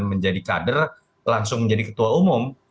menjadi kader langsung menjadi ketua umum